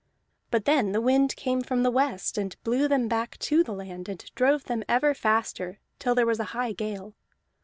But then the wind came from the west, and blew them back to the land, and drove them ever faster till there was a high gale.